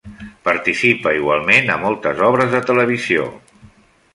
Participa igualment a moltes obres de televisió.